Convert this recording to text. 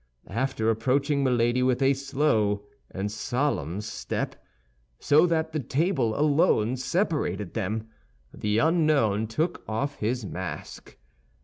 After approaching Milady with a slow and solemn step, so that the table alone separated them, the unknown took off his mask.